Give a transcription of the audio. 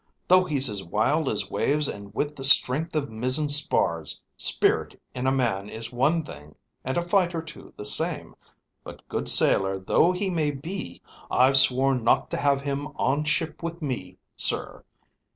Though he's as wild as waves and with the strength of mizzen spars, spirit in a man is one thing, and a fight or two the same; but good sailor though he be, I've sworn not to have him on ship with me, sir.